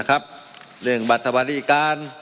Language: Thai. มันมีมาต่อเนื่องมีเหตุการณ์ที่ไม่เคยเกิดขึ้น